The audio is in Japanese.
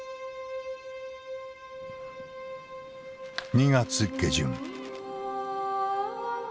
２月下旬。